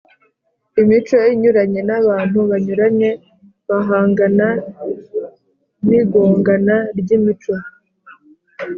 Imico inyuranye n abantu banyuranye bahangana n igongana ry imico